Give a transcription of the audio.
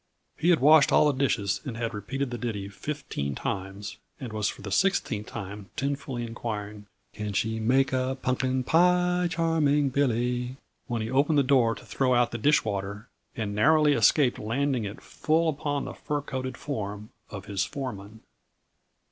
He had washed all the dishes and had repeated the ditty fifteen times, and was for the sixteenth time tunefully inquiring: Can she make a punkin pie, charming Billy? when he opened the door to throw out the dishwater, and narrowly escaped landing it full upon the fur coated form of his foreman.